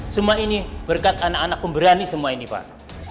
semua ini berkat anak anak pemberani semua ini pak